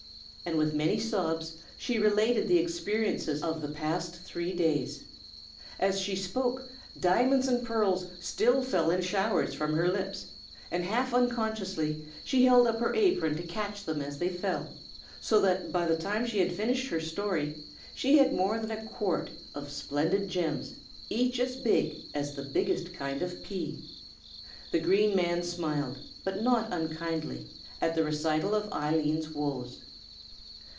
and, with many sobs, she related the experiences of the past three days. As she spoke, diamonds and pearls still fell in showers from her lips, and half unconsciously she held up her apron to catch them as they fell, so that by the time she had finished her story she had more than a quart of splendid gems, each as big as the biggest kind of pea. The Green Man smiled, but not unkindly, at the recital of Eileen's woes.